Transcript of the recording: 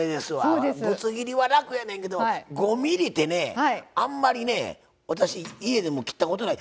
ぶつ切りは楽やねんけど５ｍｍってねあんまりね私家でも切ったことない。